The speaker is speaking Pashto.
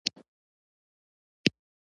ومخلوقه! زه ګرم يم که صدک.